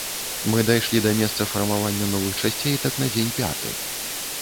Мы дайшлі да месца фармавання новых часцей так на дзень пяты.